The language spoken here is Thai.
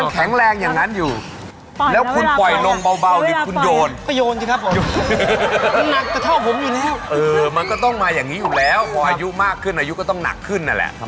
เกือบทุกวัน